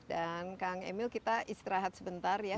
dan kang emil kita istirahat sebentar ya